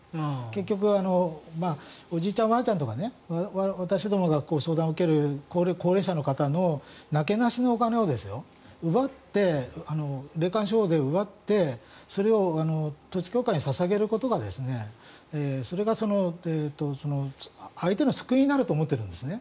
結局おじいちゃん、おばあちゃんとか私どもが相談を受ける高齢者の方のなけなしのお金を奪って霊感商法で奪ってそれを統一教会に捧げることがそれが相手の救いになると思っているんですね。